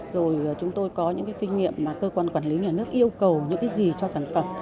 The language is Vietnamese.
rồi chúng tôi có những cái kinh nghiệm mà cơ quan quản lý nhà nước yêu cầu những cái gì cho sản phẩm